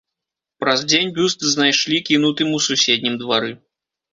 Праз дзень бюст знайшлі кінутым у суседнім двары.